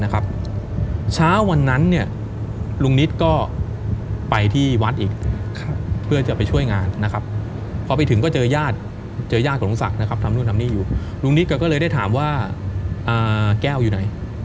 แกก็เลยได้ถามว่าแก้วอยู่ไหน